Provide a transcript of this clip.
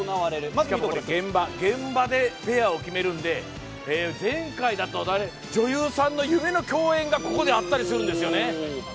現場でペアを決めるので、前回だと女優さんの夢の競演がここであったりするんですよね。